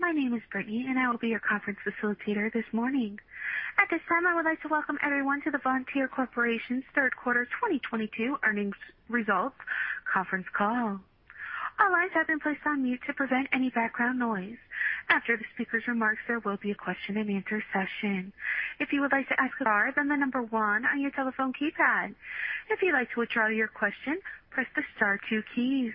My name is Brittany, and I will be your conference facilitator this morning. At this time, I would like to welcome everyone to the Vontier Corporation's Third Quarter 2022 Earnings Results Conference Call. All lines have been placed on mute to prevent any background noise. After the speaker's remarks, there will be a question and answer session. If you would like to ask, press star, then the number one on your telephone keypad. If you'd like to withdraw your question, press the star two keys.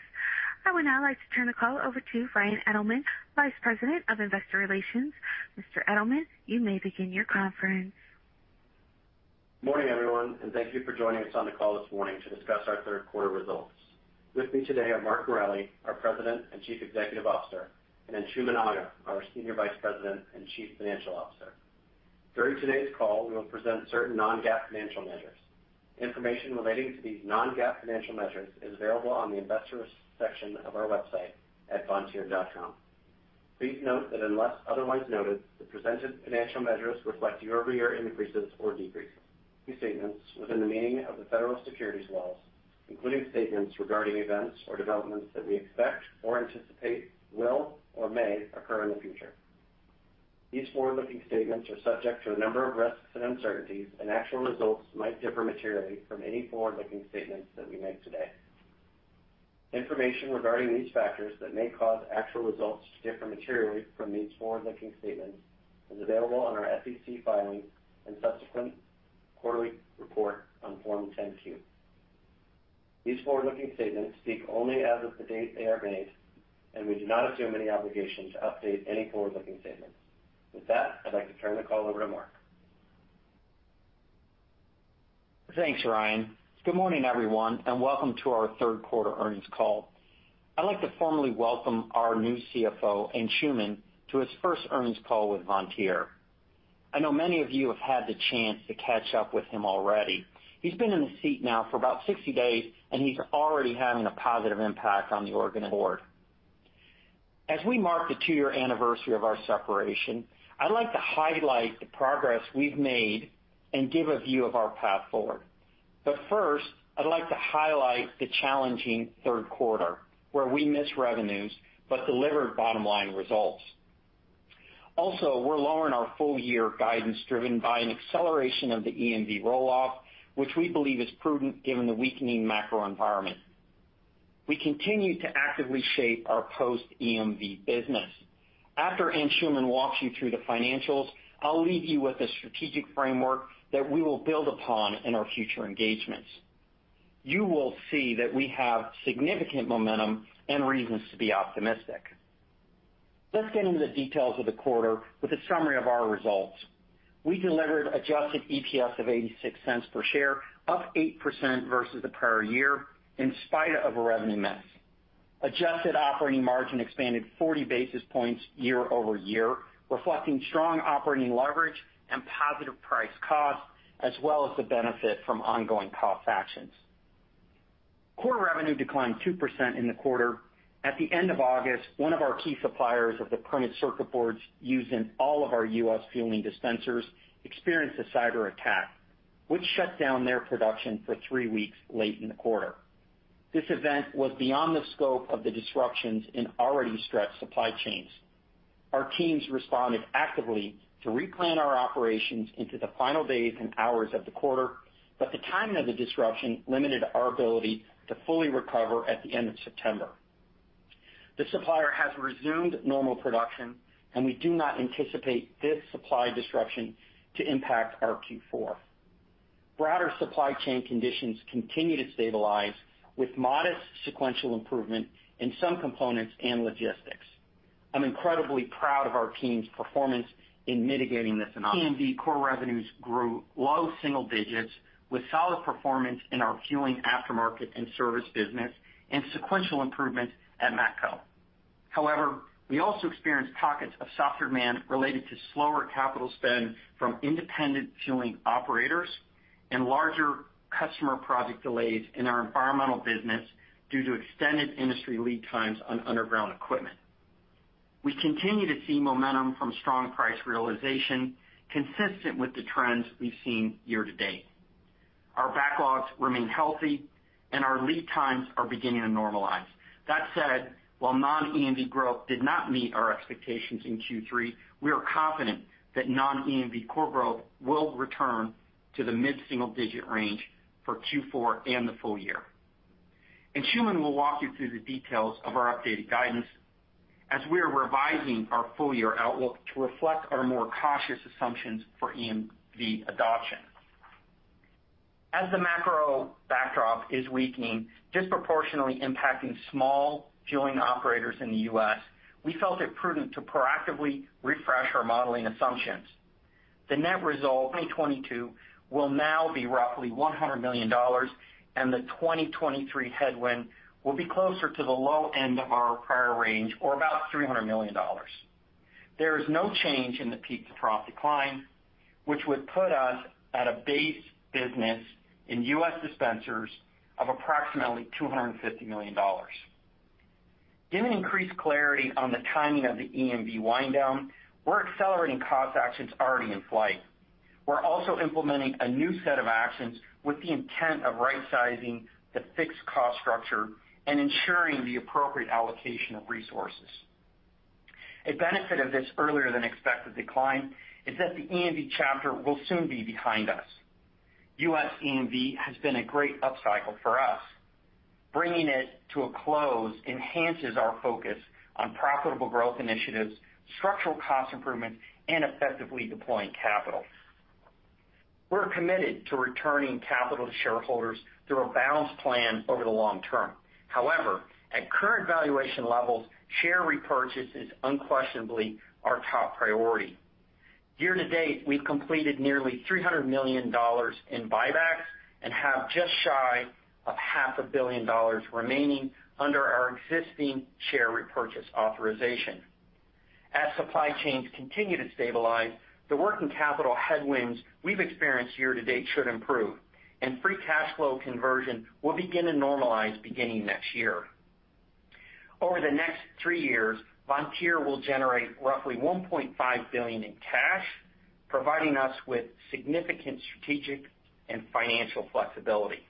I would now like to turn the call over to Ryan Edelman, Vice President of Investor Relations. Mr. Edelman, you may begin your conference. Morning, everyone, and thank you for joining us on the call this morning to discuss our third quarter results. With me today are Mark Morelli, our President and Chief Executive Officer, and Anshooman Aga, our Senior Vice President and Chief Financial Officer. During today's call, we will present certain non-GAAP financial measures. Information relating to these non-GAAP financial measures is available on the Investors section of our website at vontier.com. Please note that unless otherwise noted, the presented financial measures reflect year-over-year increases or decreases. These statements within the meaning of the federal securities laws, including statements regarding events or developments that we expect or anticipate will or may occur in the future. These forward-looking statements are subject to a number of risks and uncertainties, and actual results might differ materially from any forward-looking statements that we make today. Information regarding these factors that may cause actual results to differ materially from these forward-looking statements is available on our SEC filings and subsequent quarterly report on Form 10-Q. These forward-looking statements speak only as of the date they are made, and we do not assume any obligation to update any forward-looking statements. With that, I'd like to turn the call over to Mark. Thanks, Ryan. Good morning, everyone, and welcome to our third quarter earnings call. I'd like to formally welcome our new CFO, Anshooman, to his first earnings call with Vontier. I know many of you have had the chance to catch up with him already. He's been in the seat now for about 60 days, and he's already having a positive impact on the org and the board. As we mark the two-year anniversary of our separation, I'd like to highlight the progress we've made and give a view of our path forward. First, I'd like to highlight the challenging third quarter where we missed revenues but delivered bottom-line results. Also, we're lowering our full year guidance driven by an acceleration of the EMV roll-off, which we believe is prudent given the weakening macro environment. We continue to actively shape our post EMV business. After Anshooman walks you through the financials, I'll leave you with a strategic framework that we will build upon in our future engagements. You will see that we have significant momentum and reasons to be optimistic. Let's get into the details of the quarter with a summary of our results. We delivered adjusted EPS of $0.86 per share, up 8% versus the prior year in spite of a revenue miss. Adjusted operating margin expanded 40 basis points year-over-year, reflecting strong operating leverage and positive price cost, as well as the benefit from ongoing cost actions. Core revenue declined 2% in the quarter. At the end of August, one of our key suppliers of the printed circuit boards used in all of our U.S. fueling dispensers experienced a cyber attack, which shut down their production for three weeks late in the quarter. This event was beyond the scope of the disruptions in already stressed supply chains. Our teams responded actively to replan our operations into the final days and hours of the quarter, but the timing of the disruption limited our ability to fully recover at the end of September. The supplier has resumed normal production, and we do not anticipate this supply disruption to impact our Q4. Broader supply chain conditions continue to stabilize with modest sequential improvement in some components and logistics. I'm incredibly proud of our team's performance in mitigating this anomaly. EMV core revenues grew low single digits% with solid performance in our fueling aftermarket and service business and sequential improvements at Matco. However, we also experienced pockets of softer demand related to slower capital spend from independent fueling operators and larger customer project delays in our environmental business due to extended industry lead times on underground equipment. We continue to see momentum from strong price realization consistent with the trends we've seen year to date. Our backlogs remain healthy and our lead times are beginning to normalize. That said, while non-EMV growth did not meet our expectations in Q3, we are confident that non-EMV core growth will return to the mid-single digit range for Q4 and the full year. Anshooman will walk you through the details of our updated guidance as we are revising our full year outlook to reflect our more cautious assumptions for EMV adoption. As the macro backdrop is weakening, disproportionately impacting small fueling operators in the U.S., we felt it prudent to proactively refresh our modeling assumptions. The net result, 2022 will now be roughly $100 million, and the 2023 headwind will be closer to the low end of our prior range or about $300 million. There is no change in the peak to trough decline, which would put us at a base business in U.S. dispensers of approximately $250 million. Given increased clarity on the timing of the EMV wind down, we're accelerating cost actions already in flight. We're also implementing a new set of actions with the intent of right-sizing the fixed cost structure and ensuring the appropriate allocation of resources. A benefit of this earlier than expected decline is that the EMV chapter will soon be behind us. U.S. EMV has been a great upcycle for us. Bringing it to a close enhances our focus on profitable growth initiatives, structural cost improvements, and effectively deploying capital. We're committed to returning capital to shareholders through a balanced plan over the long term. However, at current valuation levels, share repurchase is unquestionably our top priority. Year-to-date, we've completed nearly $300 million in buybacks and have just shy of half a billion dollars remaining under our existing share repurchase authorization. As supply chains continue to stabilize, the working capital headwinds we've experienced year to date should improve, and free cash flow conversion will begin to normalize beginning next year. Over the next three years, Vontier will generate roughly $1.5 billion in cash, providing us with significant strategic and financial flexibility.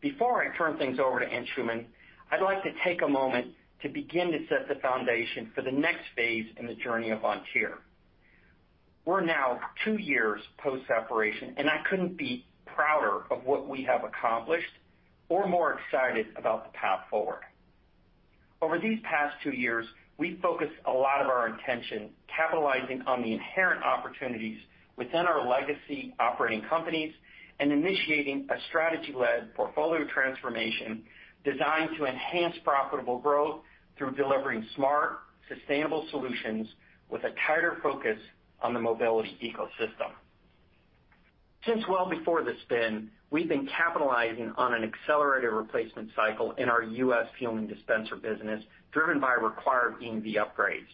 Before I turn things over to Anshooman, I'd like to take a moment to begin to set the foundation for the next phase in the journey of Vontier. We're now two years post-separation, and I couldn't be prouder of what we have accomplished or more excited about the path forward. Over these past two years, we focused a lot of our attention capitalizing on the inherent opportunities within our legacy operating companies and initiating a strategy-led portfolio transformation designed to enhance profitable growth through delivering smart, sustainable solutions with a tighter focus on the mobility ecosystem. Since well before the spin, we've been capitalizing on an accelerated replacement cycle in our U.S. fueling dispenser business, driven by required EMV upgrades.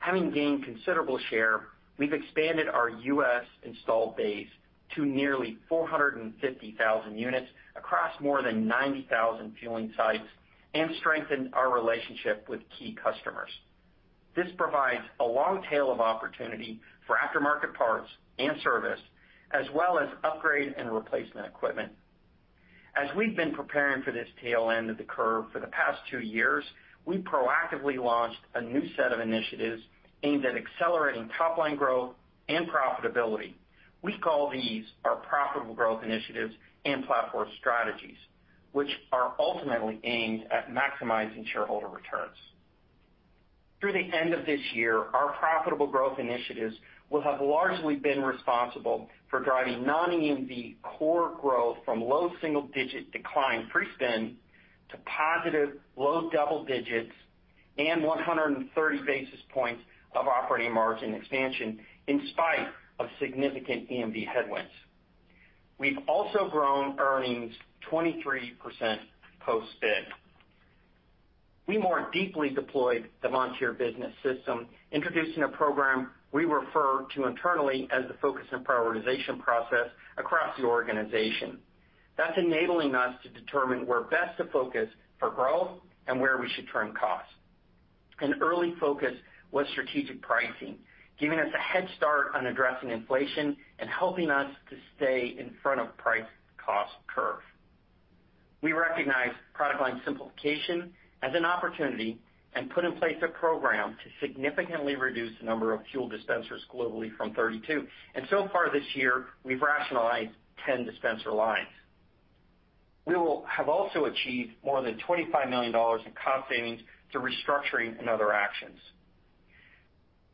Having gained considerable share, we've expanded our U.S. installed base to nearly 450,000 units across more than 90,000 fueling sites and strengthened our relationship with key customers. This provides a long tail of opportunity for aftermarket parts and service, as well as upgrade and replacement equipment. As we've been preparing for this tail end of the curve for the past two years, we proactively launched a new set of initiatives aimed at accelerating top line growth and profitability. We call these our profitable growth initiatives and platform strategies, which are ultimately aimed at maximizing shareholder returns. Through the end of this year, our profitable growth initiatives will have largely been responsible for driving non-EMV core growth from low single-digit decline pre-spin to positive low double digits and 130 basis points of operating margin expansion in spite of significant EMV headwinds. We've also grown earnings 23% post-spin. We more deeply deployed the Vontier business system, introducing a program we refer to internally as the focus and prioritization process across the organization. That's enabling us to determine where best to focus for growth and where we should trim costs. An early focus was strategic pricing, giving us a head start on addressing inflation and helping us to stay in front of price cost curve. We recognized product line simplification as an opportunity and put in place a program to significantly reduce the number of fuel dispensers globally from 32. So far this year, we've rationalized 10 dispenser lines. We will have also achieved more than $25 million in cost savings through restructuring and other actions.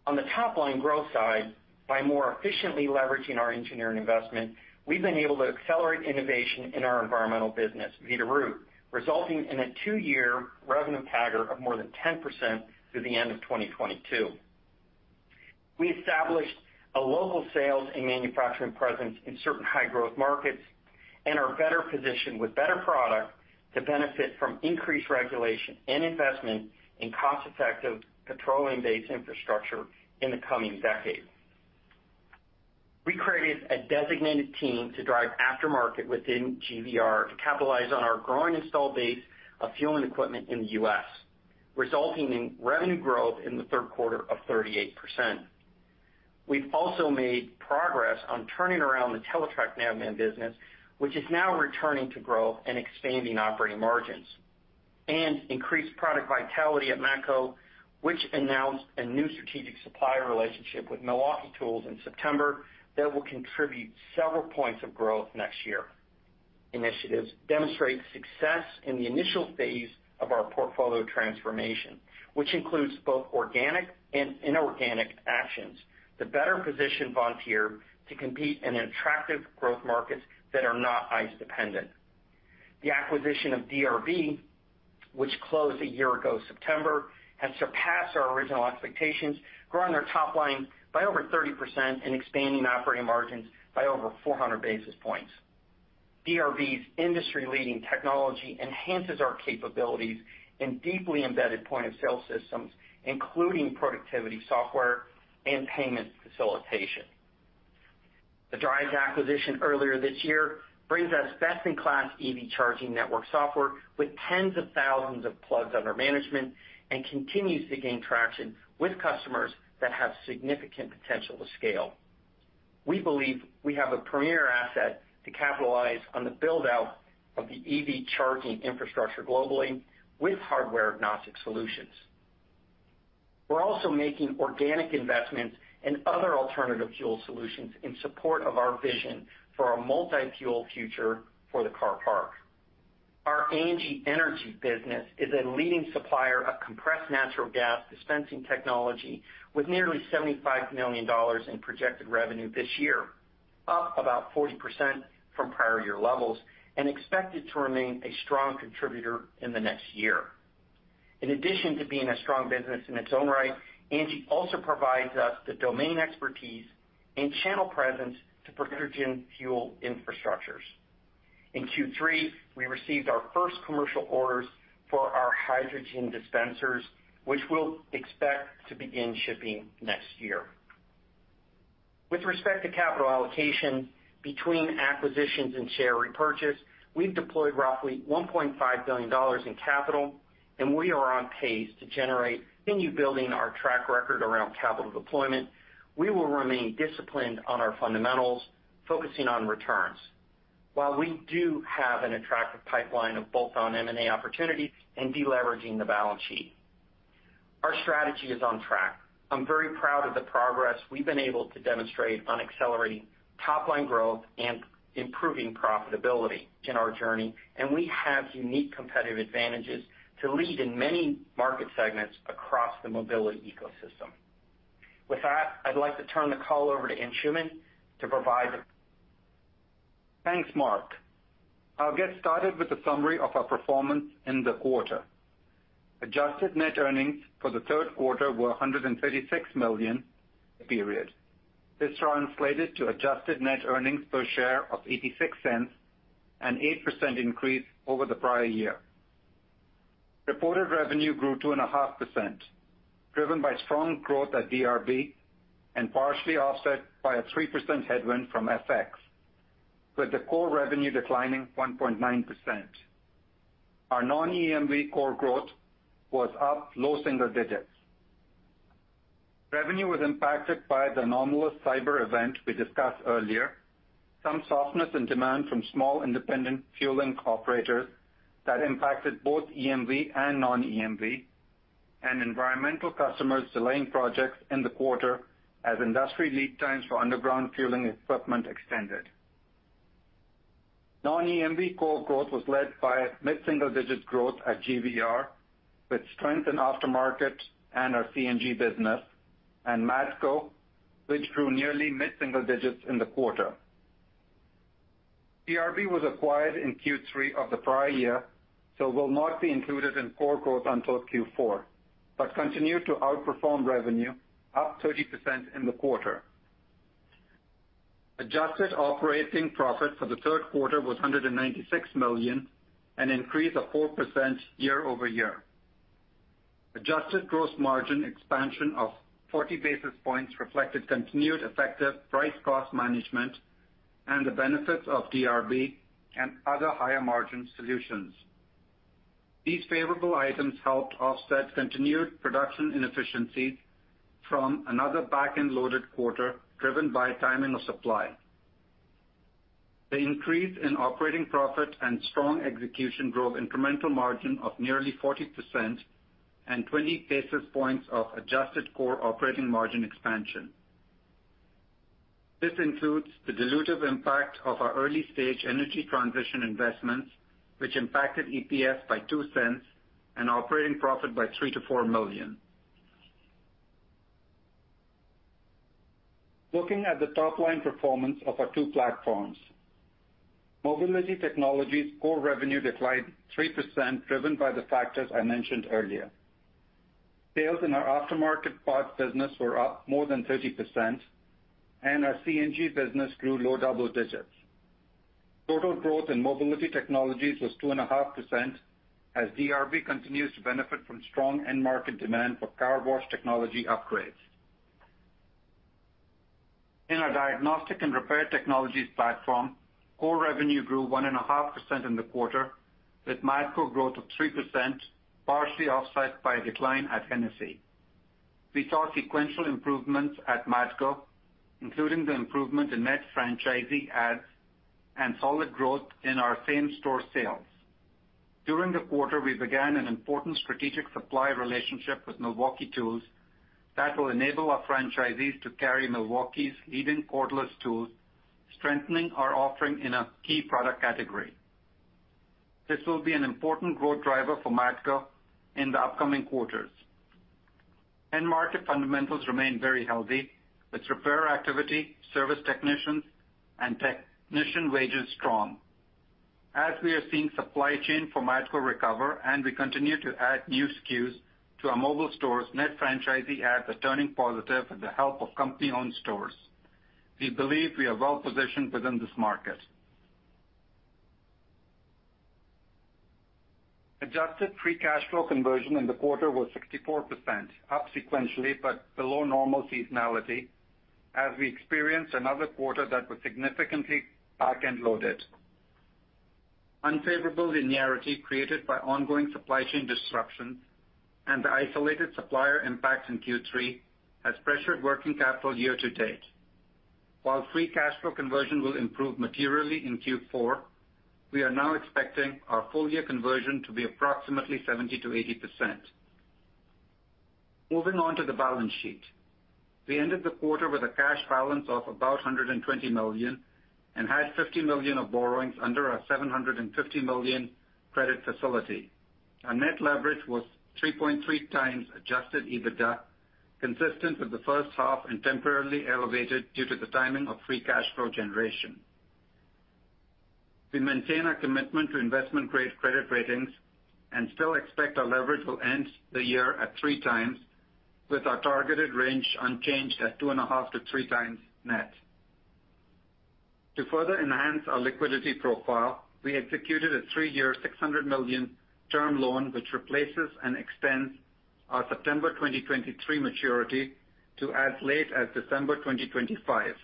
On the top line growth side, by more efficiently leveraging our engineering investment, we've been able to accelerate innovation in our environmental business, Veeder-Root, resulting in a two-year revenue CAGR of more than 10% through the end of 2022. We established a local sales and manufacturing presence in certain high-growth markets and are better positioned with better product to benefit from increased regulation and investment in cost-effective petroleum-based infrastructure in the coming decade. We created a designated team to drive aftermarket within GVR to capitalize on our growing installed base of fueling equipment in the U.S., resulting in revenue growth in the third quarter of 38%. We've also made progress on turning around the Teletrac Navman business, which is now returning to growth and expanding operating margins, and increased product vitality at Matco, which announced a new strategic supplier relationship with Milwaukee Tool in September that will contribute several points of growth next year. Initiatives demonstrate success in the initial phase of our portfolio transformation, which includes both organic and inorganic actions to better position Vontier to compete in attractive growth markets that are not ICE dependent. The acquisition of DRB, which closed a year ago, September, has surpassed our original expectations, growing their top line by over 30% and expanding operating margins by over 400 basis points. DRB's industry-leading technology enhances our capabilities in deeply embedded point-of-sale systems, including productivity software and payment facilitation. The Driivz acquisition earlier this year brings us best-in-class EV charging network software with tens of thousands of plugs under management and continues to gain traction with customers that have significant potential to scale. We believe we have a premier asset to capitalize on the build-out of the EV charging infrastructure globally with hardware-agnostic solutions. We're also making organic investments in other alternative fuel solutions in support of our vision for a multi-fuel future for the car park. Our ANGI Energy business is a leading supplier of compressed natural gas dispensing technology with nearly $75 million in projected revenue this year, up about 40% from prior year levels, and expected to remain a strong contributor in the next year. In addition to being a strong business in its own right, ANGI also provides us the domain expertise and channel presence to hydrogen fuel infrastructures. In Q3, we received our first commercial orders for our hydrogen dispensers, which we'll expect to begin shipping next year. With respect to capital allocation between acquisitions and share repurchase, we've deployed roughly $1.5 billion in capital, and we are on pace to generate continue building our track record around capital deployment. We will remain disciplined on our fundamentals, focusing on returns while we do have an attractive pipeline of both on M&A opportunities and deleveraging the balance sheet. Our strategy is on track. I'm very proud of the progress we've been able to demonstrate on accelerating top-line growth and improving profitability in our journey, and we have unique competitive advantages to lead in many market segments across the mobility ecosystem. With that, I'd like to turn the call over to Anshooman to provide the [inaudible] Thanks, Mark. I'll get started with a summary of our performance in the quarter. Adjusted net earnings for the third quarter were $136 million [for the period]. This translated to adjusted net earnings per share of $0.86, an 8% increase over the prior year. Reported revenue grew 2.5%, driven by strong growth at DRB and partially offset by a 3% headwind from FX, with the core revenue declining 1.9%. Our non-EMV core growth was up low single digits. Revenue was impacted by the anomalous cyber event we discussed earlier, some softness in demand from small independent fueling operators that impacted both EMV and non-EMV, and environmental customers delaying projects in the quarter as industry lead times for underground fueling equipment extended. Non-EMV core growth was led by mid-single-digit growth at GVR, with strength in aftermarket and our CNG business, and Matco, which grew nearly mid-single digits in the quarter. DRB was acquired in Q3 of the prior year, so will not be included in core growth until Q4, but continued to outperform revenue, up 30% in the quarter. Adjusted operating profit for the third quarter was $196 million, an increase of 4% year-over-year. Adjusted gross margin expansion of 40 basis points reflected continued effective price-cost management and the benefits of DRB and other higher-margin solutions. These favorable items helped offset continued production inefficiencies from another back-end loaded quarter driven by timing of supply. The increase in operating profit and strong execution drove incremental margin of nearly 40% and 20 basis points of adjusted core operating margin expansion. This includes the dilutive impact of our early-stage energy transition investments, which impacted EPS by $0.02 and operating profit by $3 million-$4 million. Looking at the top-line performance of our two platforms: Mobility Technologies core revenue declined 3% driven by the factors I mentioned earlier. Sales in our aftermarket parts business were up more than 30%, and our CNG business grew low double digits. Total growth in Mobility Technologies was 2.5% as DRB continues to benefit from strong end market demand for car wash technology upgrades. In our Diagnostics & Repair Technologies platform, core revenue grew 1.5% in the quarter, with Matco growth of 3%, partially offset by a decline at Hennessy. We saw sequential improvements at Matco, including the improvement in net franchisee adds and solid growth in our same-store sales. During the quarter, we began an important strategic supply relationship with Milwaukee Tool that will enable our franchisees to carry Milwaukee Tool's leading cordless tools, strengthening our offering in a key product category. This will be an important growth driver for Matco in the upcoming quarters. End market fundamentals remain very healthy with repair activity, service technicians, and technician wages strong. As we are seeing supply chain for Matco recover and we continue to add new SKUs to our mobile stores, net franchisee adds are turning positive with the help of company-owned stores. We believe we are well positioned within this market. Adjusted free cash flow conversion in the quarter was 64%, up sequentially but below normal seasonality, as we experienced another quarter that was significantly back-end loaded. Unfavorable linearity created by ongoing supply chain disruptions and the isolated supplier impact in Q3 has pressured working capital year-to-date. While free cash flow conversion will improve materially in Q4, we are now expecting our full-year conversion to be approximately 70%-80%. Moving on to the balance sheet. We ended the quarter with a cash balance of about $120 million and had $50 million of borrowings under our $750 million credit facility. Our net leverage was 3.3x adjusted EBITDA, consistent with the first half and temporarily elevated due to the timing of free cash flow generation. We maintain our commitment to investment-grade credit ratings and still expect our leverage will end the year at 3x, with our targeted range unchanged at 2.5-3x net. To further enhance our liquidity profile, we executed a three-year $600 million term loan, which replaces and extends our September 2023 maturity to as late as December 2025.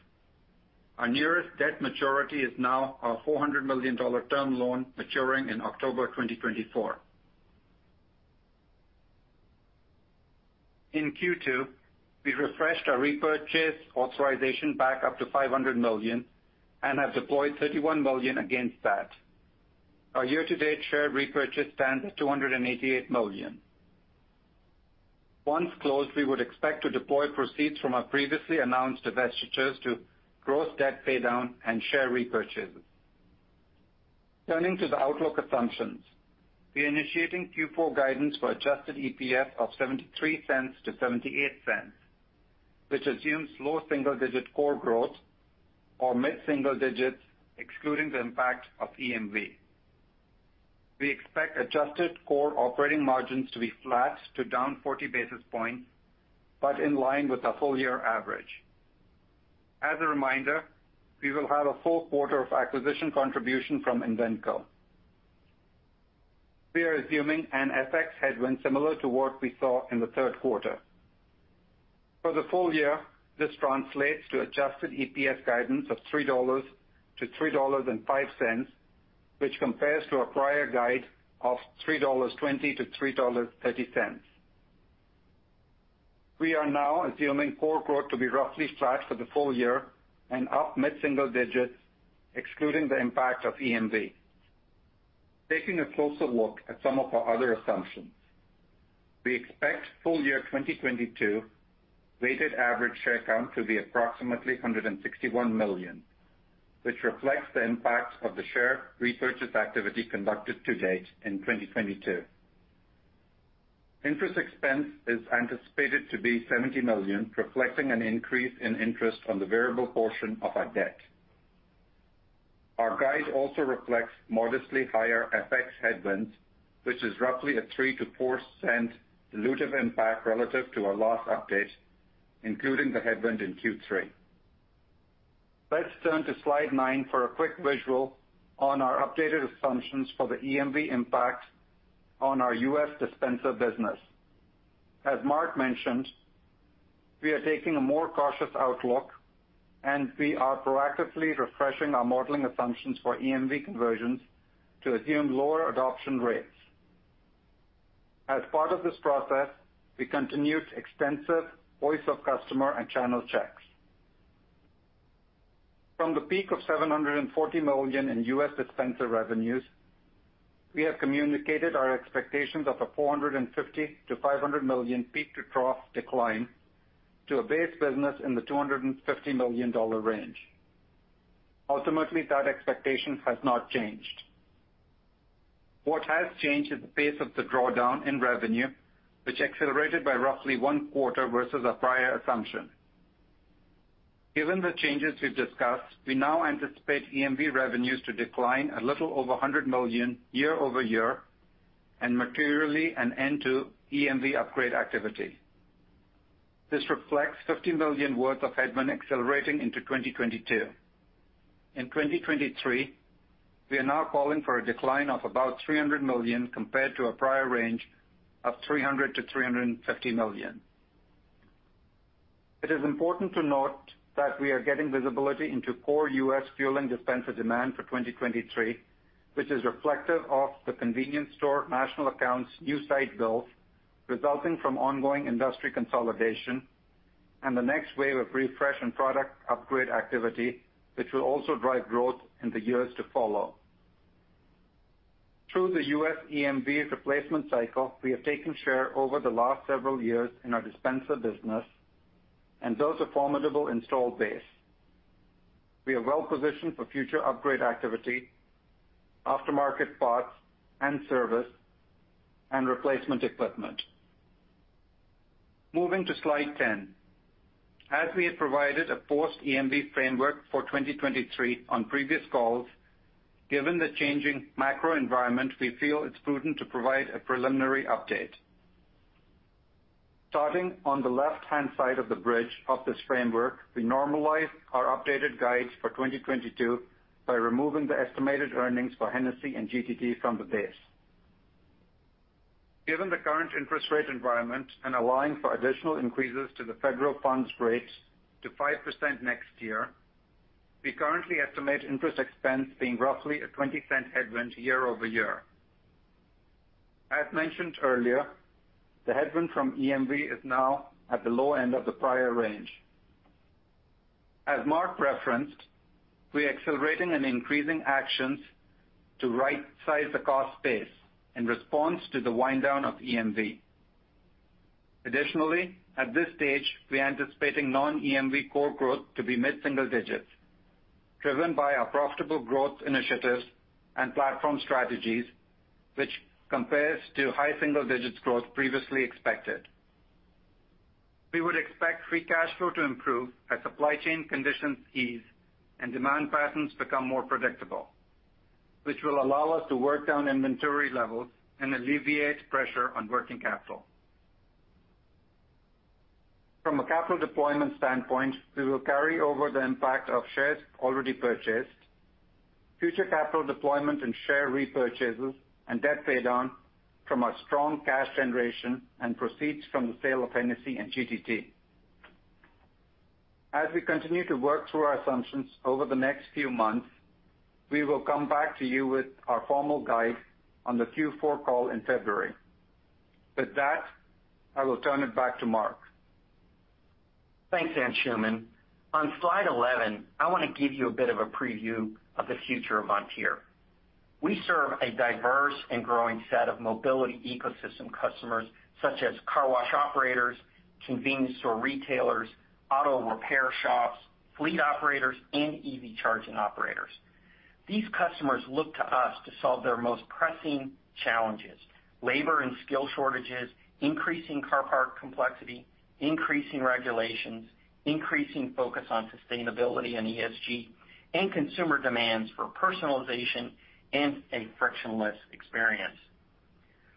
Our nearest debt maturity is now our $400 million term loan maturing in October 2024. In Q2, we refreshed our repurchase authorization back up to $500 million and have deployed $31 million against that. Our year-to-date share repurchase stands at $288 million. Once closed, we would expect to deploy proceeds from our previously announced divestitures to gross debt pay down and share repurchases. Turning to the outlook assumptions. We're initiating Q4 guidance for adjusted EPS of $0.73-$0.78, which assumes low single-digit core growth or mid-single digits excluding the impact of EMV. We expect adjusted core operating margins to be flat to down 40 basis points, but in line with the full year average. As a reminder, we will have a full quarter of acquisition contribution from Invenco. We are assuming an FX headwind similar to what we saw in the third quarter. For the full year, this translates to adjusted EPS guidance of $3-$3.05, which compares to our prior guide of $3.20-$3.30. We are now assuming core growth to be roughly flat for the full year and up mid-single digits, excluding the impact of EMV. Taking a closer look at some of our other assumptions. We expect full year 2022 weighted average share count to be approximately 161 million, which reflects the impact of the share repurchase activity conducted to date in 2022. Interest expense is anticipated to be $70 million, reflecting an increase in interest on the variable portion of our debt. Our guide also reflects modestly higher FX headwinds, which is roughly a $0.03-$0.04 dilutive impact relative to our last update, including the headwind in Q3. Let's turn to slide nine for a quick visual on our updated assumptions for the EMV impact on our U.S. dispenser business. As Mark mentioned, we are taking a more cautious outlook, and we are proactively refreshing our modeling assumptions for EMV conversions to assume lower adoption rates. As part of this process, we continued extensive voice of customer and channel checks. From the peak of $740 million in U.S. dispenser revenues, we have communicated our expectations of a $450-$500 million peak-to-trough decline to a base business in the $250 million range. Ultimately, that expectation has not changed. What has changed is the pace of the drawdown in revenue, which accelerated by roughly one quarter versus our prior assumption. Given the changes we've discussed, we now anticipate EMV revenues to decline a little over $100 million year-over-year and materially an end to EMV upgrade activity. This reflects $50 million worth of headwind accelerating into 2022. In 2023, we are now calling for a decline of about $300 million compared to our prior range of $300-$350 million. It is important to note that we are getting visibility into core U.S. fueling dispenser demand for 2023, which is reflective of the convenience store national accounts new site builds resulting from ongoing industry consolidation and the next wave of refresh and product upgrade activity, which will also drive growth in the years to follow. Through the U.S. EMV replacement cycle, we have taken share over the last several years in our dispenser business and built a formidable installed base. We are well positioned for future upgrade activity, aftermarket parts and service, and replacement equipment. Moving to slide 10. As we have provided a post-EMV framework for 2023 on previous calls, given the changing macro environment, we feel it's prudent to provide a preliminary update. Starting on the left-hand side of the bridge of this framework, we normalize our updated guides for 2022 by removing the estimated earnings for Hennessy and GTT from the base. Given the current interest rate environment and allowing for additional increases to the federal funds rate to 5% next year, we currently estimate interest expense being roughly a $0.20 headwind year over year. As mentioned earlier, the headwind from EMV is now at the low end of the prior range. As Mark referenced, we're accelerating and increasing actions to rightsize the cost base in response to the wind down of EMV. Additionally, at this stage, we're anticipating non-EMV core growth to be mid-single digits, driven by our profitable growth initiatives and platform strategies, which compares to high single digits growth previously expected. We would expect free cash flow to improve as supply chain conditions ease and demand patterns become more predictable, which will allow us to work down inventory levels and alleviate pressure on working capital. From a capital deployment standpoint, we will carry over the impact of shares already purchased. Future capital deployment and share repurchases and debt pay down from our strong cash generation and proceeds from the sale of Hennessy and GTT. As we continue to work through our assumptions over the next few months, we will come back to you with our formal guide on the Q4 call in February. With that, I will turn it back to Mark. Thanks, Anshooman. On slide 11, I wanna give you a bit of a preview of the future of Vontier. We serve a diverse and growing set of mobility ecosystem customers such as car wash operators, convenience store retailers, auto repair shops, fleet operators, and EV charging operators. These customers look to us to solve their most pressing challenges, labor and skill shortages, increasing car park complexity, increasing regulations, increasing focus on sustainability and ESG, and consumer demands for personalization and a frictionless experience.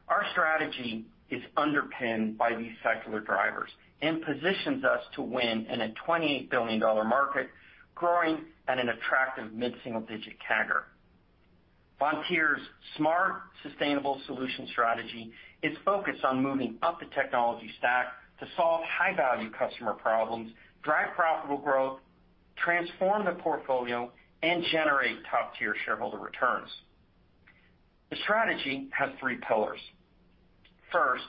Our strategy is underpinned by these secular drivers and positions us to win in a $28 billion market growing at an attractive mid-single digit CAGR. Vontier's smart, sustainable solution strategy is focused on moving up the technology stack to solve high-value customer problems, drive profitable growth, transform the portfolio, and generate top-tier shareholder returns. The strategy has three pillars. First,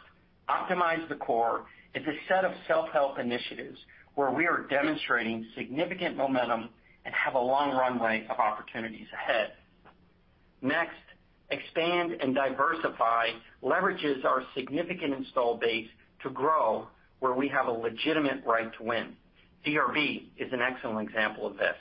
optimize the core is a set of self-help initiatives where we are demonstrating significant momentum and have a long runway of opportunities ahead. Next, expand and diversify leverages our significant installed base to grow where we have a legitimate right to win. GVR is an excellent example of this.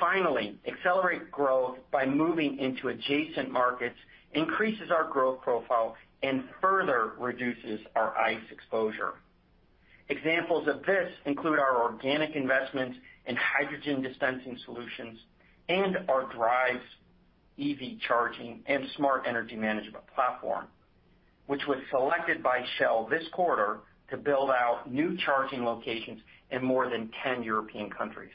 Finally, accelerate growth by moving into adjacent markets increases our growth profile and further reduces our ICE exposure. Examples of this include our organic investments in hydrogen dispensing solutions and our Driivz EV charging and smart energy management platform, which was selected by Shell this quarter to build out new charging locations in more than 10 European countries.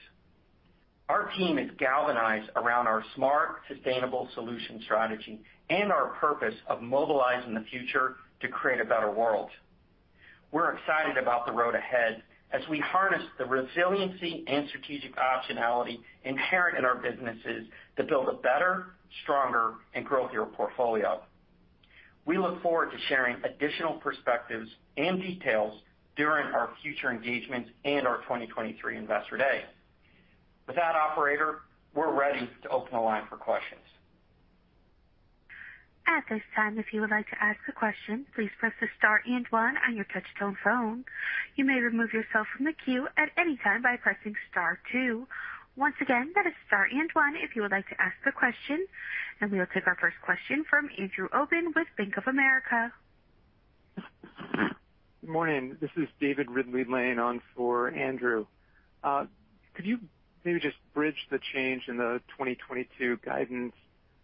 Our team is galvanized around our smart, sustainable solution strategy and our purpose of mobilizing the future to create a better world. We're excited about the road ahead as we harness the resiliency and strategic optionality inherent in our businesses to build a better, stronger and growthier portfolio. We look forward to sharing additional perspectives and details during our future engagements and our 2023 Investor Day. With that, operator, we're ready to open the line for questions. At this time, if you would like to ask a question, please press the star and one on your touchtone phone. You may remove yourself from the queue at any time by pressing star two. Once again, that is star and one if you would like to ask a question, and we will take our first question from Andrew Obin with Bank of America. Good morning. This is David Ridley-Lane standing in for Andrew. Could you maybe just bridge the change in the 2022 guidance?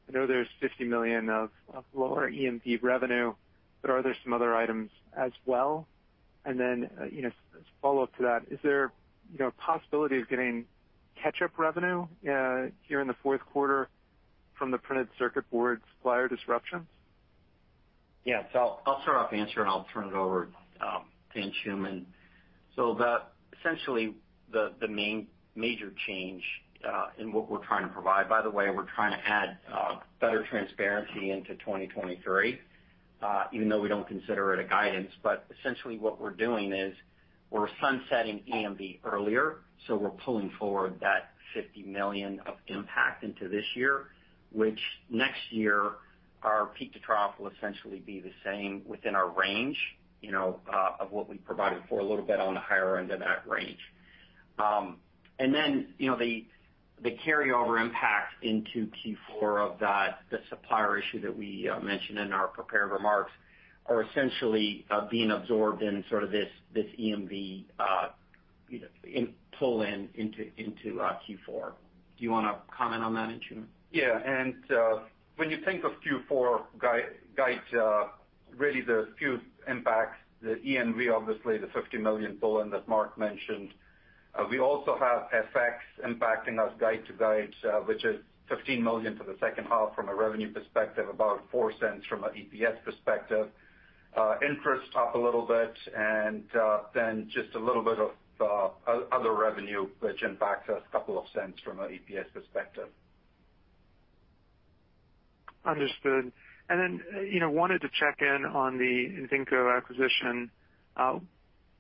I know there's $50 million of lower EMV revenue, but are there some other items as well? You know, as a follow-up to that, is there a possibility of getting catch-up revenue here in the fourth quarter from the printed circuit board supplier disruptions? I'll start off the answer, and I'll turn it over to Anshooman. Essentially the main major change in what we're trying to provide, by the way, we're trying to add better transparency into 2023, even though we don't consider it a guidance. Essentially what we're doing is we're sunsetting EMV earlier, so we're pulling forward that $50 million of impact into this year, which next year our peak-to-trough will essentially be the same within our range, you know, of what we provided for a little bit on the higher end of that range. you know, the carryover impact into Q4 of that, the supplier issue that we mentioned in our prepared remarks are essentially being absorbed in sort of this EMV, you know, in pull in into Q4. Do you wanna comment on that, Anshooman? Yeah. When you think of Q4 guide, really the few impacts, the EMV, obviously the $50 million pull in that Mark mentioned. We also have FX impacting us guide-to-guide, which is $15 million for the second half from a revenue perspective, about $0.04 from an EPS perspective. Interest up a little bit, and then just a little bit of other revenue which impacts us a couple of cents from an EPS perspective. Understood. You know, wanted to check in on the Invenco acquisition.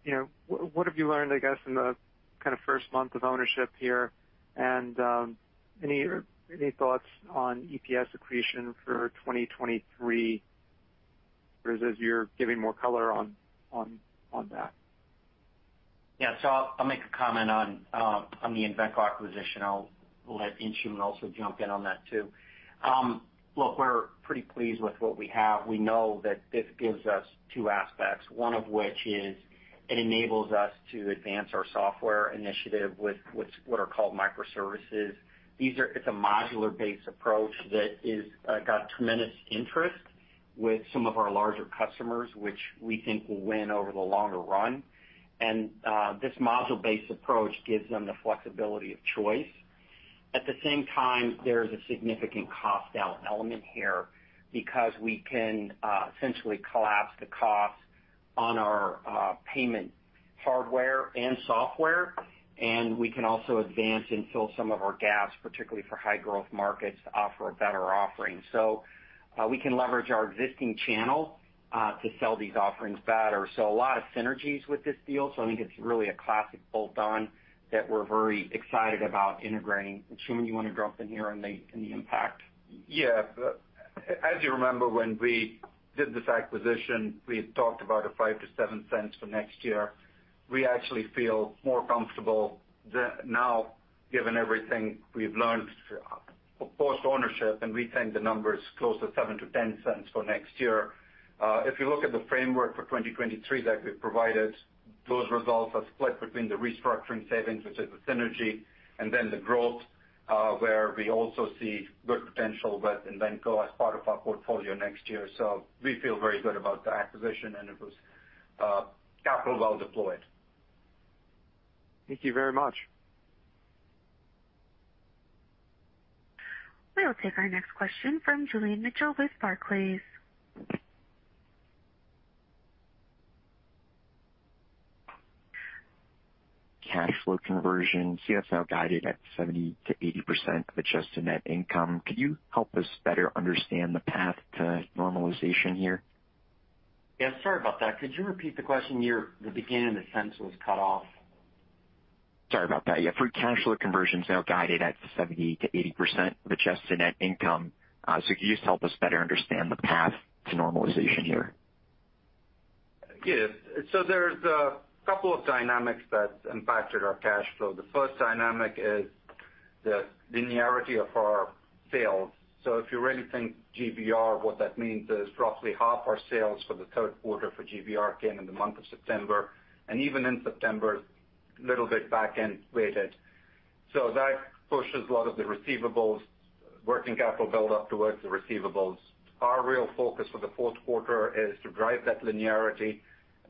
You know, what have you learned, I guess, in the kind of first month of ownership here? Any thoughts on EPS accretion for 2023 versus you're giving more color on that? Yeah. I'll make a comment on the Invenco acquisition. I'll let Anshooman also jump in on that too. Look, we're pretty pleased with what we have. We know that this gives us two aspects, one of which is it enables us to advance our software initiative with what are called microservices. It's a modular-based approach that is got tremendous interest with some of our larger customers, which we think will win over the longer run. This module-based approach gives them the flexibility of choice. At the same time, there is a significant cost out element here because we can essentially collapse the costs on our payment hardware and software, and we can also advance and fill some of our gaps, particularly for high growth markets to offer a better offering. We can leverage our existing channel to sell these offerings better. A lot of synergies with this deal. I think it's really a classic bolt-on that we're very excited about integrating. Anshooman, you wanna jump in here on the impact? Yeah. As you remember, when we did this acquisition, we had talked about $0.05-$0.07 for next year. We actually feel more comfortable now given everything we've learned post-ownership, and we think the number is closer to $0.07-$0.10 for next year. If you look at the framework for 2023 that we've provided, those results are split between the restructuring savings, which is the synergy, and then the growth, where we also see good potential with Invenco as part of our portfolio next year. We feel very good about the acquisition, and it was capital well deployed. Thank you very much. We'll take our next question from Julian Mitchell with Barclays. Cash flow conversion. See that's now guided at 70%-80% of adjusted net income. Could you help us better understand the path to normalization here? Yeah, sorry about that. Could you repeat the question near the beginning? The sentence was cut off. Sorry about that. Yeah. For cash flow conversion is now guided at 70%-80% of adjusted net income. Could you just help us better understand the path to normalization here? Yeah. There's a couple of dynamics that impacted our cash flow. The first dynamic is the linearity of our sales. If you really think GVR, what that means is roughly half our sales for the third quarter for GVR came in the month of September. And even in September, little bit back-end weighted. That pushes a lot of the receivables working capital build up towards the receivables. Our real focus for the fourth quarter is to drive that linearity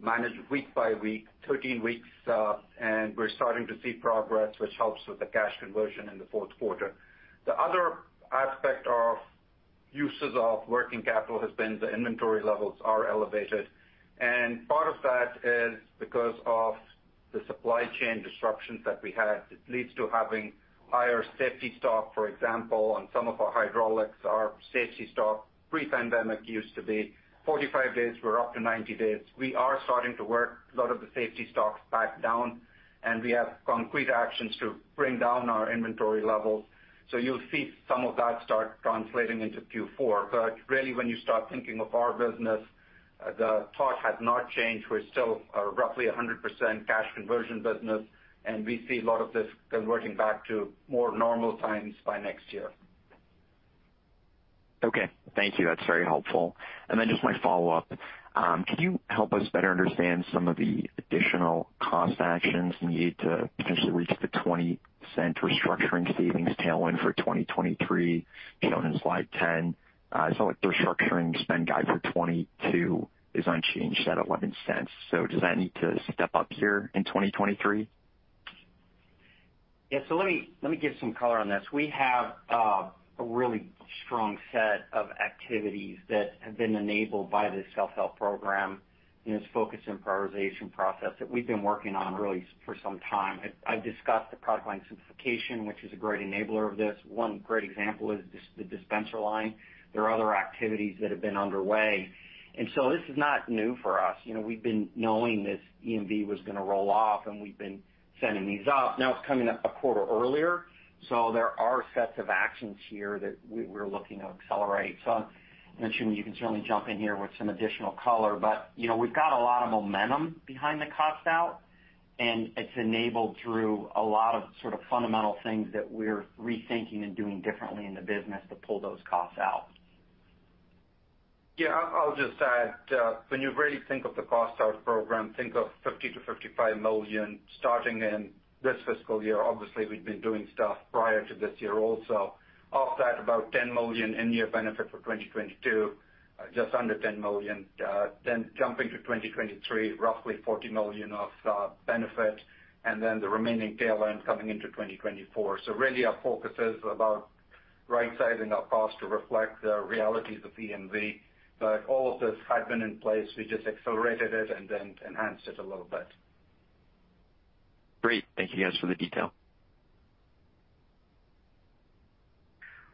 managed week by week, 13 weeks out, and we're starting to see progress, which helps with the cash conversion in the fourth quarter. The other aspect of uses of working capital has been the inventory levels are elevated, and part of that is because of the supply chain disruptions that we had. It leads to having higher safety stock, for example, on some of our hydraulics. Our safety stock pre-pandemic used to be 45 days. We're up to 90 days. We are starting to work a lot of the safety stocks back down, and we have concrete actions to bring down our inventory levels. You'll see some of that start translating into Q4. Really, when you start thinking of our business, the thought has not changed. We're still a roughly 100% cash conversion business, and we see a lot of this converting back to more normal times by next year. Okay. Thank you. That's very helpful. Just my follow-up. Can you help us better understand some of the additional cost actions needed to potentially reach the $0.20 restructuring savings tailwind for 2023 shown in slide 10? It's not like the restructuring spend guide for 2022 is unchanged at $0.11. Does that need to step up here in 2023? Yeah. Let me give some color on this. We have a really strong set of activities that have been enabled by this self-help program and this focus and prioritization process that we've been working on really for some time. I've discussed the product line simplification, which is a great enabler of this. One great example is the dispenser line. There are other activities that have been underway, and this is not new for us. You know, we've been knowing this EMV was gonna roll off, and we've been setting these up. Now it's coming up a quarter earlier, so there are sets of actions here that we're looking to accelerate. Anshooman, you can certainly jump in here with some additional color. You know, we've got a lot of momentum behind the cost out, and it's enabled through a lot of sort of fundamental things that we're rethinking and doing differently in the business to pull those costs out. Yeah. I'll just add, when you really think of the cost out program, think of $50 million-$55 million starting in this fiscal year. Obviously, we've been doing stuff prior to this year also. Of that, about $10 million in-year benefit for 2022, just under $10 million. Then jumping to 2023, roughly $40 million of benefit and then the remaining tailwind coming into 2024. Really our focus is about Right sizing our cost to reflect the realities of EMV. All of this had been in place. We just accelerated it and then enhanced it a little bit. Great. Thank you guys for the detail.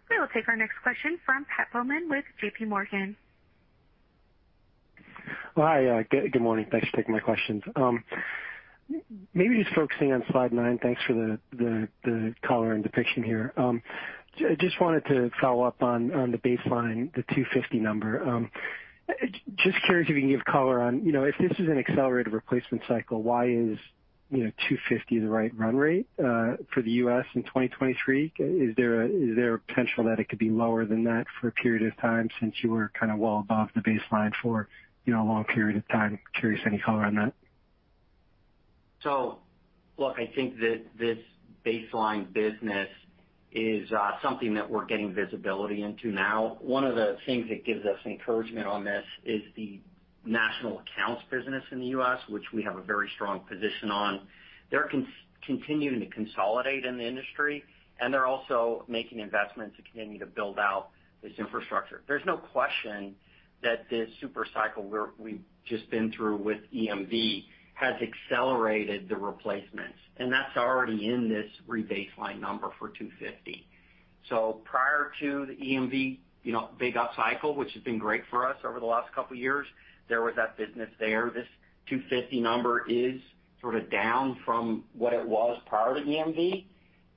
We will take our next question from Pat Baumann with JPMorgan. Hi, good morning. Thanks for taking my questions. Maybe just focusing on slide nine. Thanks for the color and depiction here. Just wanted to follow up on the baseline, the $250 number. Just curious if you can give color on, you know, if this is an accelerated replacement cycle, why is, you know, $250 the right run rate for the U.S. in 2023? Is there a potential that it could be lower than that for a period of time since you were kinda well above the baseline for, you know, a long period of time? Curious, any color on that? Look, I think that this baseline business is something that we're getting visibility into now. One of the things that gives us encouragement on this is the national accounts business in the U.S., which we have a very strong position on. They're continuing to consolidate in the industry, and they're also making investments to continue to build out this infrastructure. There's no question that this super cycle we've just been through with EMV has accelerated the replacements, and that's already in this re-baseline number for $250. Prior to the EMV, you know, big upcycle, which has been great for us over the last couple years, there was that business there. This $250 number is sort of down from what it was prior to EMV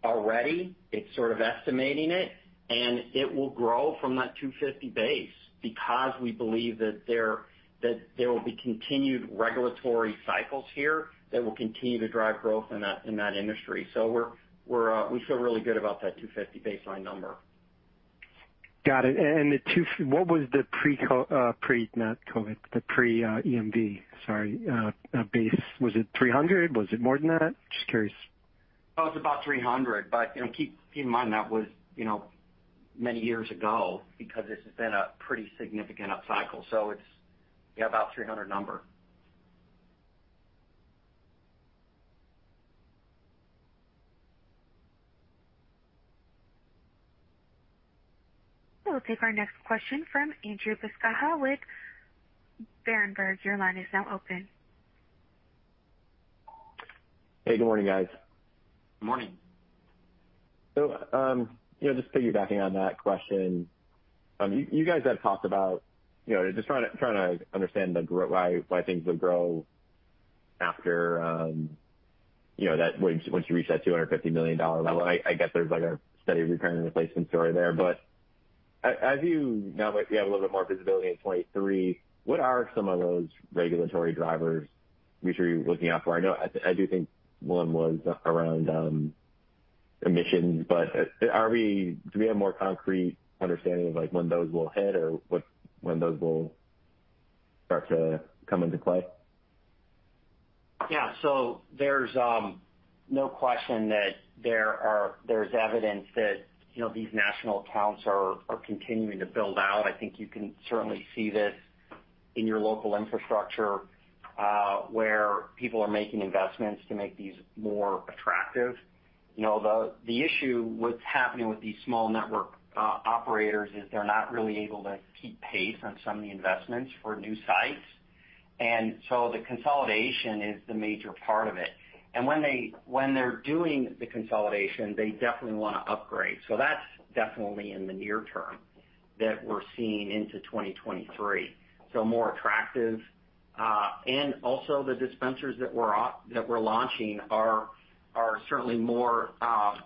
already. It's sort of estimating it, and it will grow from that $250 base because we believe that there will be continued regulatory cycles here that will continue to drive growth in that industry. We feel really good about that $250 baseline number. Got it. What was the pre-COVID, the pre-EMV base? Sorry, was it 300? Was it more than that? Just curious. Oh, it's about 300. You know, keep in mind that was, you know, many years ago because this has been a pretty significant upcycle. It's, yeah, about 300 number. We'll take our next question from Andrew Buscaglia with Berenberg. Your line is now open. Hey, good morning, guys. Morning. You know, just piggybacking on that question, you guys have talked about, you know, just trying to understand why things would grow after, you know, once you reach that $250 million level. I guess there's like a steady repair and replacement story there. But as you now might have a little bit more visibility in 2023, what are some of those regulatory drivers which you are looking out for? I know I do think one was around emissions, but do we have more concrete understanding of like when those will hit or when those will start to come into play? Yeah. There's no question that there's evidence that, you know, these national accounts are continuing to build out. I think you can certainly see this in your local infrastructure, where people are making investments to make these more attractive. You know, the issue, what's happening with these small network operators is they're not really able to keep pace on some of the investments for new sites. The consolidation is the major part of it. When they're doing the consolidation, they definitely wanna upgrade. That's definitely in the near term that we're seeing into 2023. More attractive, and also the dispensers that we're that we're launching are certainly more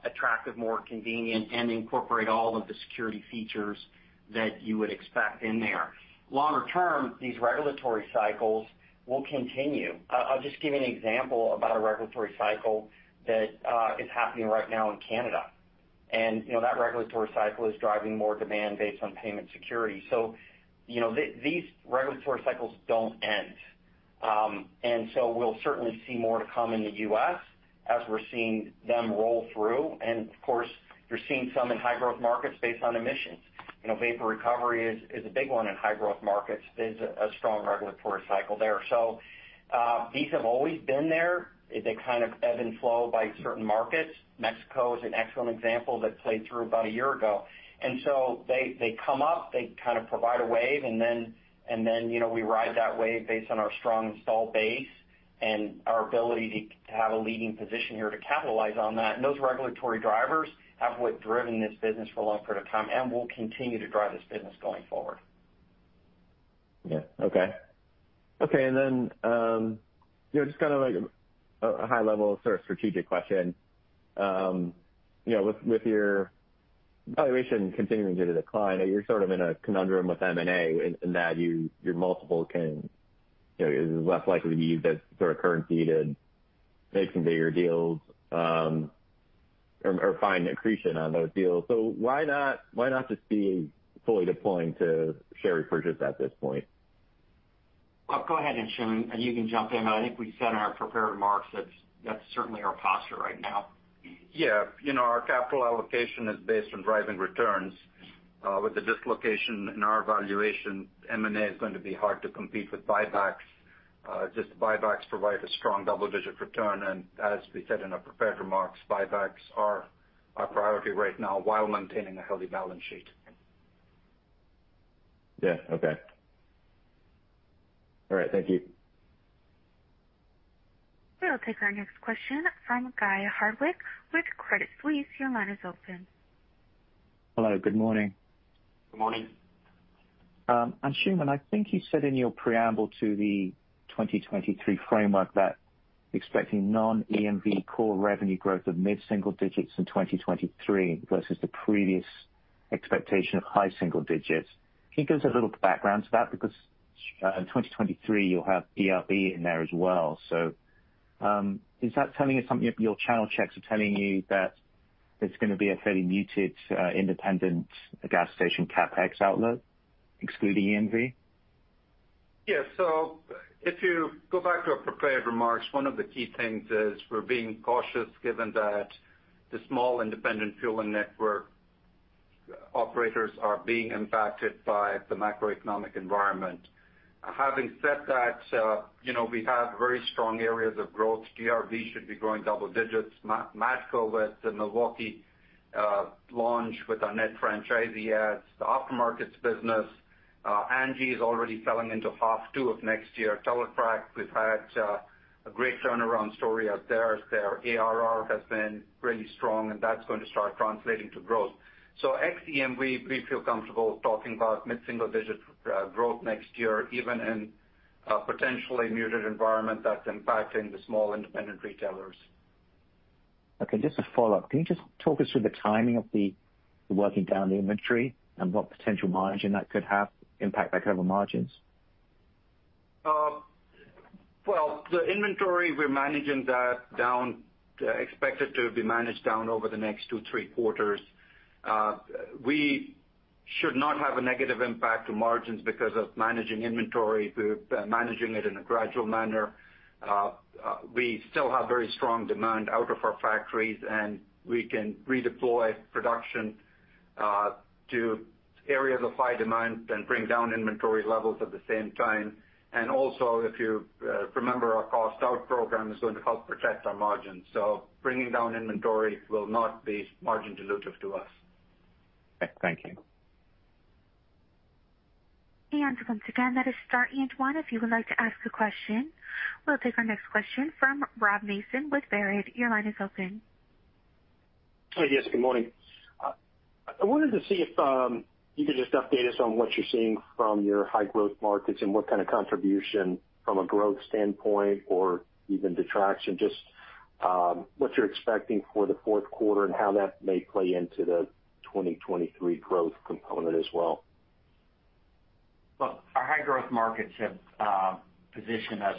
attractive, more convenient, and incorporate all of the security features that you would expect in there. Longer term, these regulatory cycles will continue. I'll just give you an example about a regulatory cycle that is happening right now in Canada. You know, that regulatory cycle is driving more demand based on payment security. You know, these regulatory cycles don't end. We'll certainly see more to come in the U.S. as we're seeing them roll through. Of course, you're seeing some in high growth markets based on emissions. You know, vapor recovery is a big one in high growth markets. There's a strong regulatory cycle there. These have always been there. They kind of ebb and flow by certain markets. Mexico is an excellent example that played through about a year ago. They come up, they kind of provide a wave, and then, you know, we ride that wave based on our strong installed base and our ability to have a leading position here to capitalize on that. Those regulatory drivers have driven this business for a long period of time and will continue to drive this business going forward. Yeah. Okay. You know, just kinda like a high level sort of strategic question. You know, with your valuation continuing to decline, you're sort of in a conundrum with M&A in that your multiple can, you know, is less likely to be used as sort of currency to make some bigger deals, or find accretion on those deals. Why not just be fully deploying to share repurchase at this point? I'll go ahead, and Anshooman, you can jump in. I think we said in our prepared remarks that's certainly our posture right now. Yeah. You know, our capital allocation is based on driving returns. With the dislocation in our valuation, M&A is going to be hard to compete with buybacks. Just buybacks provide a strong double-digit return. As we said in our prepared remarks, buybacks are our priority right now while maintaining a healthy balance sheet. Yeah. Okay. All right. Thank you. We'll take our next question from Guy Hardwick with Credit Suisse. Your line is open. Hello. Good morning. Good morning. Anshooman, I think you said in your preamble to the 2023 framework that expecting non-EMV core revenue growth of mid-single digits in 2023 versus the previous expectation of high single digits. Can you give us a little background to that? Because, in 2023, you'll have Invenco in there as well. Is that telling you something your channel checks are telling you that it's gonna be a fairly muted independent gas station CapEx outlook, excluding EMV? Yeah. If you go back to our prepared remarks, one of the key things is we're being cautious given that the small independent fueling network operators are being impacted by the macroeconomic environment. Having said that, you know, we have very strong areas of growth. GVR should be growing double digits. Matco with the Milwaukee launch with our net franchisee adds the aftermarkets business. ANGI is already selling into half two of next year. Teletrac, we've had a great turnaround story out there as their ARR has been really strong, and that's going to start translating to growth. Ex EMV, we feel comfortable talking about mid-single digit growth next year, even in a potentially muted environment that's impacting the small independent retailers. Okay. Just a follow-up. Can you just talk us through the timing of working down the inventory and what potential margin impact that could have on gross margins? Well, the inventory we're managing that down, expected to be managed down over the next two, three quarters. We should not have a negative impact to margins because of managing inventory. We're managing it in a gradual manner. We still have very strong demand out of our factories, and we can redeploy production to areas of high demand and bring down inventory levels at the same time. Also, if you remember our cost out program is going to help protect our margins, so bringing down inventory will not be margin dilutive to us. Thank you. Once again, that is star and one if you would like to ask a question. We'll take our next question from Rob Mason with Baird. Your line is open. Hi. Yes, good morning. I wanted to see if you could just update us on what you're seeing from your high growth markets and what kind of contribution from a growth standpoint or even detraction, just what you're expecting for the fourth quarter and how that may play into the 2023 growth component as well. Look, our high growth markets have positioned us,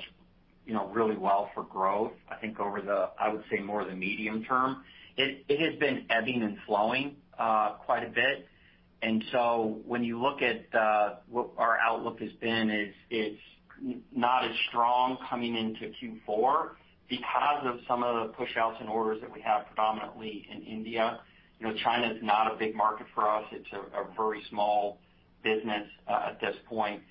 you know, really well for growth. I think, I would say, more in the medium term. It has been ebbing and flowing quite a bit. When you look at what our outlook has been, it's not as strong coming into Q4 because of some of the push outs and orders that we have predominantly in India. You know, China is not a big market for us. It's a very small business at this point.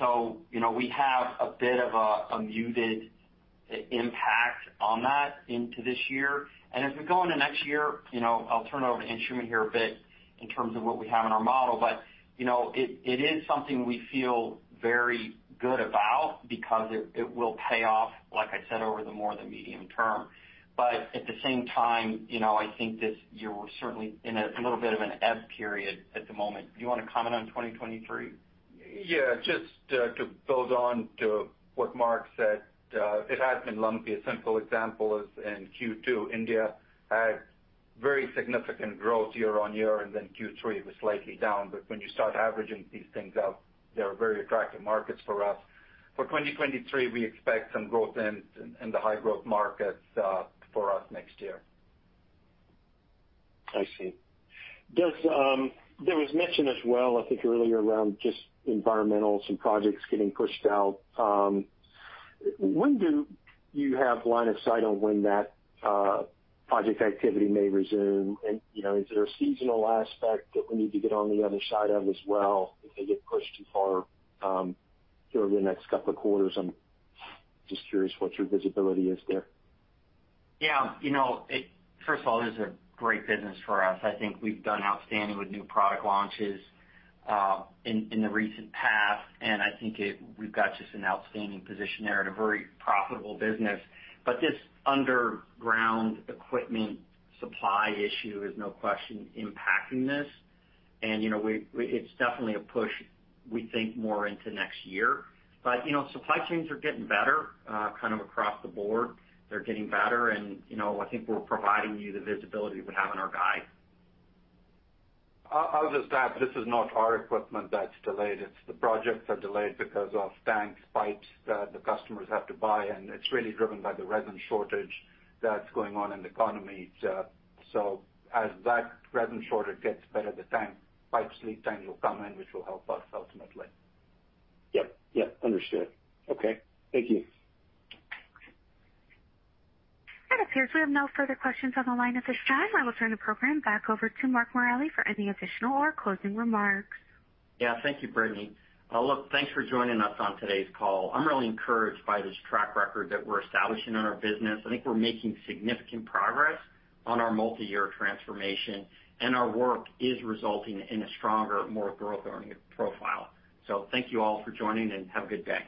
You know, we have a bit of a muted impact on that into this year. As we go into next year, you know, I'll turn it over to Anshooman here a bit in terms of what we have in our model. You know, it is something we feel very good about because it will pay off, like I said, over the more the medium term. At the same time, you know, I think this year we're certainly in a little bit of an ebb period at the moment. Do you wanna comment on 2023? Yeah. Just to build on to what Mark said, it has been lumpy. A simple example is in Q2, India had very significant growth year-over-year, and then Q3 was slightly down. When you start averaging these things out, they are very attractive markets for us. For 2023, we expect some growth in the high growth markets for us next year. I see. There was mention as well, I think earlier around just environmental, some projects getting pushed out. When do you have line of sight on when that project activity may resume? You know, is there a seasonal aspect that we need to get on the other side of as well if they get pushed too far over the next couple of quarters? I'm just curious what your visibility is there. Yeah, you know, first of all, this is a great business for us. I think we've done outstanding with new product launches in the recent past. I think we've got just an outstanding position there and a very profitable business. This underground equipment supply issue is no question impacting this. You know, it's definitely a push, we think more into next year. You know, supply chains are getting better kind of across the board. They're getting better. You know, I think we're providing you the visibility we have in our guide. I'll just add, this is not our equipment that's delayed. It's the projects are delayed because of tanks, pipes that the customers have to buy, and it's really driven by the resin shortage that's going on in the economy. As that resin shortage gets better, the tank, pipes, lead time will come in, which will help us ultimately. Yep. Yep. Understood. Okay. Thank you. It appears we have no further questions on the line at this time. I will turn the program back over to Mark Morelli for any additional or closing remarks. Yeah. Thank you, Brittany. Look, thanks for joining us on today's call. I'm really encouraged by this track record that we're establishing in our business. I think we're making significant progress on our multi-year transformation, and our work is resulting in a stronger, more growth-oriented profile. Thank you all for joining, and have a good day.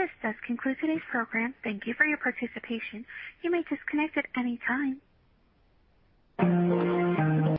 This does conclude today's program. Thank you for your participation. You may disconnect at any time.